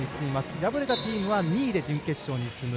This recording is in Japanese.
敗れたチームは２位で準決勝に進む。